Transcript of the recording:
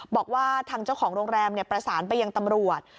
บอกว่าทางเจ้าของโรงแรมประสานไปยังตำรวจ